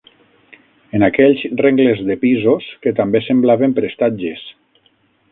En aquells rengles de pisos que també semblaven prestatges